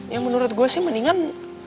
yang menurut gue sih mendingan